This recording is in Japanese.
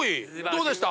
どうでした？